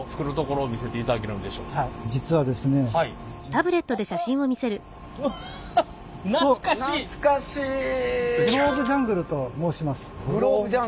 グローブジャングルと申します。